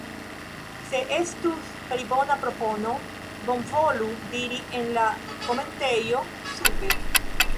Se estus pli bona propono, bonvolu diri en la komentejo sube.